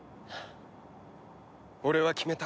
俺は決めた。